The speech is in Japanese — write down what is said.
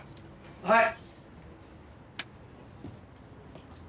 はい！